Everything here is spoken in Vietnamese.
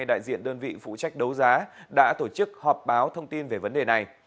đại diện đơn vị phụ trách đấu giá đã tổ chức họp báo thông tin về vấn đề này